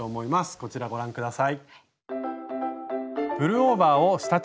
こちらご覧下さい。